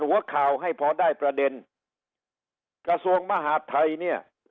หัวข่าวให้พอได้ประเด็นกระทรวงมหาดไทยเนี่ย